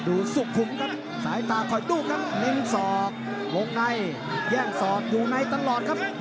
หลายตาคอยดูกครับนิ่งสอบวงในแย่งสอบอยู่ในตลอดครับ